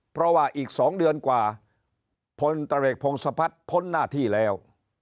เพราะว่าอีก๒เดือนกว่าพลตเรกพงศพัฒน์พ้นหน้าที่แล้ว